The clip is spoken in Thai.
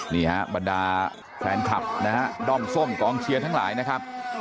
นี่ฮะบรรดาแฟนคลับนะฮะด้อมส้มกองเชียร์ทั้งหลายนะครับ